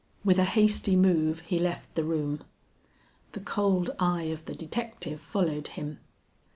With a hasty move he left the room. The cold eye of the detective followed him.